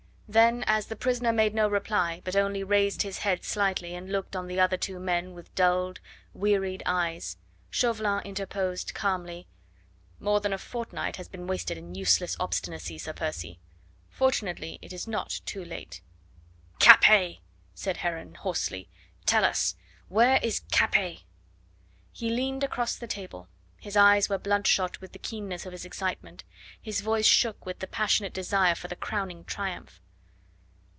Then, as the prisoner made no reply, but only raised his head slightly, and looked on the other two men with dulled, wearied eyes, Chauvelin interposed calmly: "More than a fortnight has been wasted in useless obstinacy, Sir Percy. Fortunately it is not too late." "Capet?" said Heron hoarsely, "tell us, where is Capet?" He leaned across the table, his eyes were bloodshot with the keenness of his excitement, his voice shook with the passionate desire for the crowning triumph.